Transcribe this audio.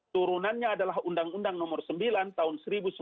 turunannya adalah undang undang nomor sembilan tahun seribu sembilan ratus sembilan puluh